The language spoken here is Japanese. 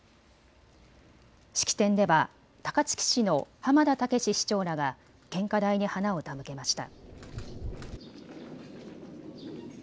式典では高槻市の濱田剛史市長らが献花台に花を手向けました。